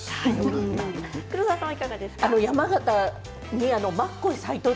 黒沢さんはいかがですか？